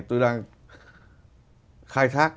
tôi đang khai thác